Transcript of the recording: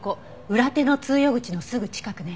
裏手の通用口のすぐ近くね。